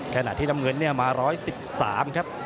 ขณะที่น้ำเงินเนี่ยมา๑๑๓ครับ